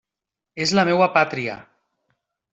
És la meua pàtria.